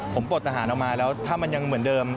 ผมปลดทหารออกมาแล้วถ้ามันยังเหมือนเดิม